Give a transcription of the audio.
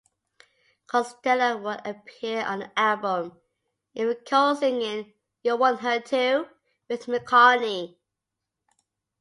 Costello would appear on the album, even co-singing "You Want Her Too" with McCartney.